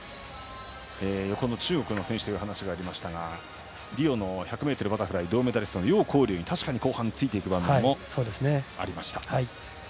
横の中国の選手というお話がありましたがリオの１００ｍバタフライの選手に後半ついていく場面もありました。